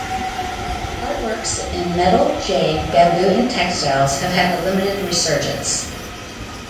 Art works in metal, jade, bamboo and textiles have had a limited resurgence.